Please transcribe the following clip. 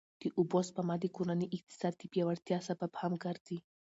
د اوبو سپما د کورني اقتصاد د پیاوړتیا سبب هم ګرځي.